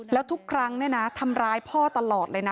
แล้วทุกครั้งทำร้ายพ่อตลอดเลยนะ